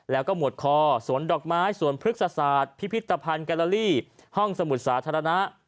แล้วก็หมวดคอสวนดอกไม้สวนพฤกษศาสตร์พิพิธภัณฑ์แกลลาลี่ห้องสมุทรสาธารณะ